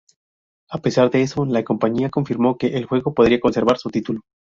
A pesar de eso, la compañía confirmó que el juego podría conservar su título.